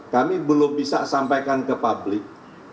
kami belum bisa sampaikan ke publik